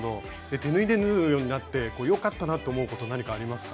手縫いで縫うようになって良かったなって思うこと何かありますか？